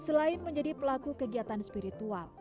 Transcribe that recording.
selain menjadi pelaku kegiatan spiritual